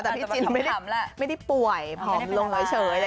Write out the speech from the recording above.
แต่พี่จินไม่ได้ป่วยพร้อมลงเฉย